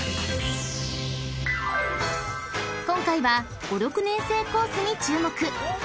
［今回は５・６年生コースに注目］